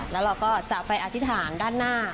แล้วเราก็จะไปอธิษฐานด้านหน้า